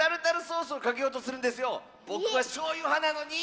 ぼくはしょうゆはなのに！